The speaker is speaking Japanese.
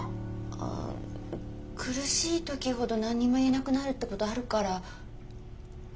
ああ苦しい時ほど何にも言えなくなるってことあるから。